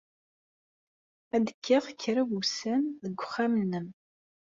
Ad kkeɣ kra n wussan deg uxxam-nnem.